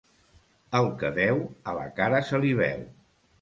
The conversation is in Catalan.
El que deu, a la cara se li veu.